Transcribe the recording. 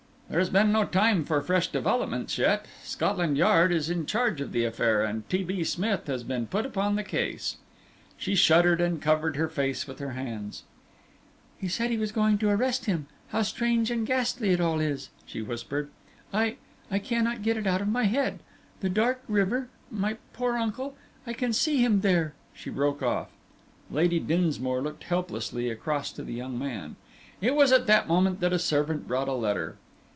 "There has been no time for fresh developments yet. Scotland Yard is in charge of the affair, and T. B. Smith has been put upon the case." She shuddered and covered her face with her hands. "He said he was going to arrest him how strange and ghastly it all is!" she whispered. "I I cannot get it out of my head. The dark river my poor uncle I can see him there " She broke off. Lady Dinsmore looked helplessly across to the young man. It was at that moment that a servant brought a letter.